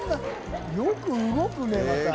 「よく動くねまた」